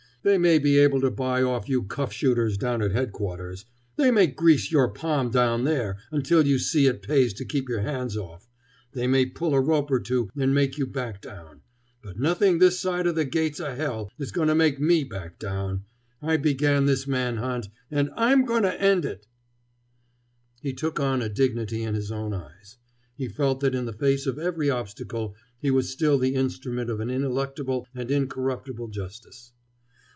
"They may be able to buy off you cuff shooters down at Headquarters. They may grease your palm down there, until you see it pays to keep your hands off. They may pull a rope or two and make you back down. But nothing this side o' the gates o' hell is going to make me back down. I began this man hunt, and I'm going to end it!" He took on a dignity in his own eyes. He felt that in the face of every obstacle he was still the instrument of an ineluctable and incorruptible Justice.